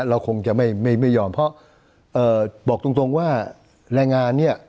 เราคงจะไม่ไม่ไม่ยอมเพราะเอ่อบอกตรงว่าแรงงานเนี่ย